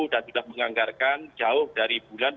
sudah menganggarkan jauh dari bulan